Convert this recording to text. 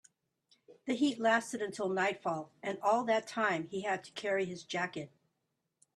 The heat lasted until nightfall, and all that time he had to carry his jacket.